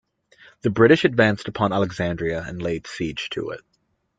The British advanced upon Alexandria and laid siege to it.